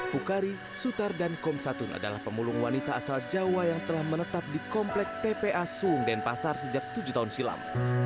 pukari sutar dan komsatun adalah pemulung wanita asal jawa yang telah menetap di komplek tpa sung denpasar sejak tujuh tahun silam